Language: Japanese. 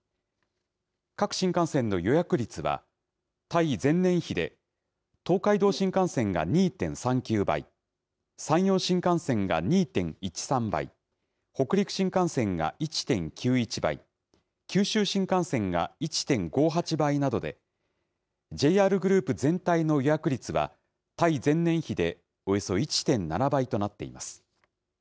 各新幹線の予約率は、対前年比で東海道新幹線が２．３９倍、山陽新幹線が２．１３倍、北陸新幹線が１．９１倍、九州新幹線が１．５８倍などで、ＪＲグループ全体の予約率は対前年比でおよそ１．７倍となっています。